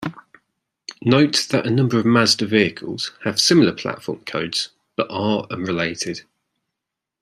Note that a number of Mazda vehicles have similar platform codes but are unrelated.